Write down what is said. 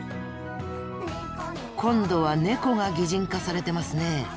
今度はネコが擬人化されてますね。